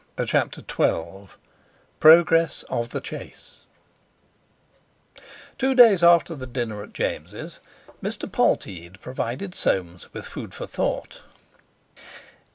CHAPTER XII PROGRESS OF THE CHASE Two days after the dinner at James', Mr. Polteed provided Soames with food for thought.